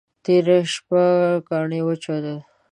تېره شپه ګاڼي وچودل.